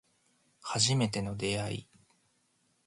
初めての出会い